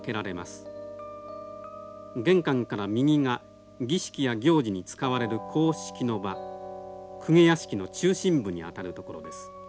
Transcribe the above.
玄関から右が儀式や行事に使われる公式の場公家屋敷の中心部にあたる所です。